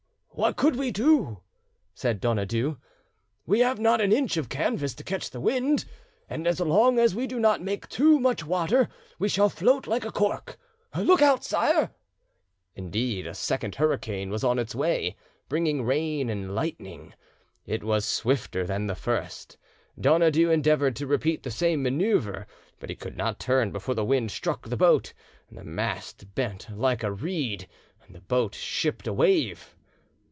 "What could we do?" said Donadieu. "We have not an inch of canvas to catch the wind, and as long as we do not make too much water, we shall float like a cork. Look out sire!" Indeed, a second hurricane was on its way, bringing rain and lightning; it was swifter than the first. Donadieu endeavoured to repeat the same manoeuvre, but he could not turn before the wind struck the boat, the mast bent like a reed; the boat shipped a wave.